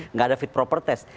nggak ada fit proper test